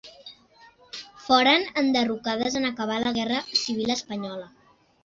Foren enderrocades en acabar la Guerra Civil espanyola.